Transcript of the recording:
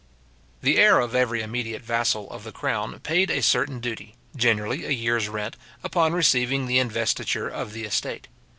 The heir of every immediate vassal of the crown paid a certain duty, generally a year's rent, upon receiving the investiture of the estate.